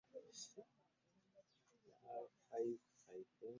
Kuliko okutonnya mu bakyala, Nnalubiri ne Mukenenya.